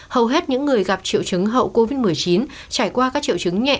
hầu hết những người gặp triệu chứng hậu covid một mươi chín trải qua các triệu chứng nhẹ